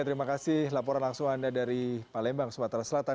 terima kasih laporan langsung anda dari palembang sumatera selatan